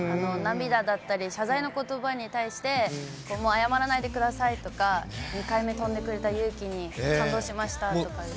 涙だったり、謝罪のことばに対して、もう謝らないでくださいとか、２回目飛んでくれた勇気に感動しましたとか。